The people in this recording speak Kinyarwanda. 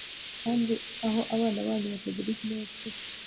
kandi aho abana banyu batagira ikinyabupfura